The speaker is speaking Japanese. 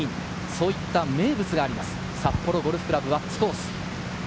そうした名物があります、札幌ゴルフ倶楽部・輪厚コース。